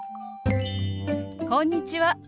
こんにちは。